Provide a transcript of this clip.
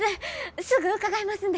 すぐ伺いますんで！